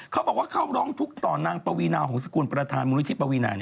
เขาบอกว่าเข้าร้องทุกข์ต่อนางปวีนาหงษกุลประธานมูลนิธิปวีนา